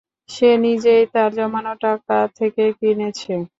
সে নিজেই তার জমানো টাকা থেকে কিনেছে।